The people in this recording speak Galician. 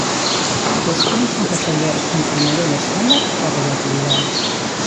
Cuestións sen resolver entre o modelo estándar e a relatividade.